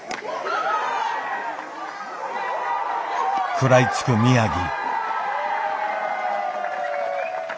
食らいつく宮城。